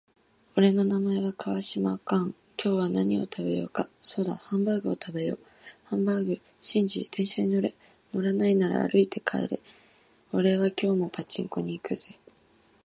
俺の名前は川島寛。今日は何を食べようか。そうだハンバーグを食べよう。ハンバーグ。シンジ、電車に乗れ。乗らないなら歩いて帰れ。俺は今日もパチンコに行くぜ。